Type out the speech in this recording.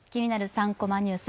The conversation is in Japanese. ３コマニュース」